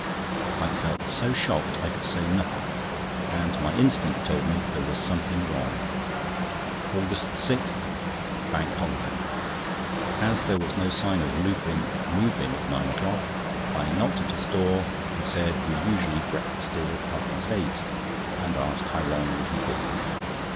I felt so shocked, I could say nothing, and my instinct told me there was something wrong. AUGUST 6, Bank Holiday.—As there was no sign of Lupin moving at nine o'clock, I knocked at his door, and said we usually breakfasted at half past eight, and asked how long would he be?